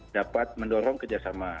dapat mendorong kerjasama